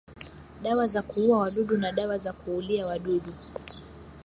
dawa za kuua wadudu na dawa za kuulia wadudu